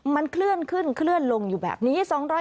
มันเคลื่อนขึ้นเคลื่อนลงอยู่แบบนี้